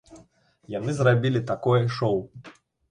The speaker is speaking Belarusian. Яны зрабілі такое шоў.